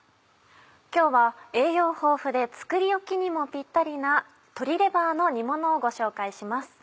今日は栄養豊富で作り置きにもぴったりな鶏レバーの煮ものをご紹介します。